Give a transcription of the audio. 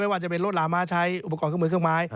ว่าจะเป็นรถหลาม้าใช้อุปกรณ์เครื่องมือเครื่องไม้